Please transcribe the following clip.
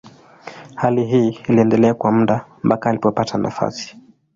Hali hii iliendelea kwa muda mpaka alipopata nafasi.